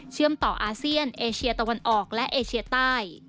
ต่ออาเซียนเอเชียตะวันออกและเอเชียใต้